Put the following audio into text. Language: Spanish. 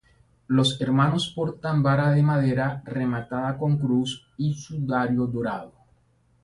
Los hermanos portan vara de madera rematada con cruz y sudario dorado.